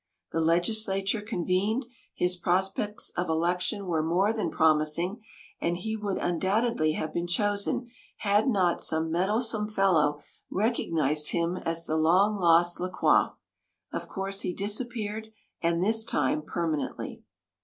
The legislature convened, his prospects of election were more than promising, and he would undoubtedly have been chosen had not some meddlesome fellow recognized him as the long lost La Croix. Of course, he disappeared, and this time, permanently.